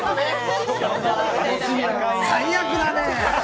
最悪だね！